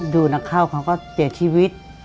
ดูนักเข้าเขาก็เสียชีวิต